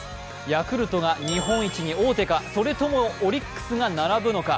ヤクルトが日本一に王手かそれともオリックスが並ぶのか。